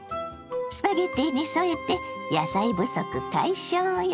スパゲッティに添えて野菜不足解消よ。